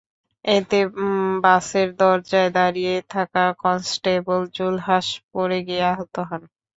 এতে বাসের দরজায় দাঁড়িয়ে থাকা কনস্টেবল জুলহাস পড়ে গিয়ে আহত হন।